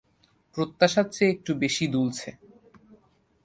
প্রত্যাশার চেয়ে একটু বেশি দুলছে।